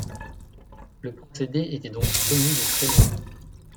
Le procédé était donc connu de très loin.